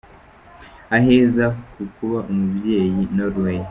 Aheza ku kuba umubyeyi : Norway.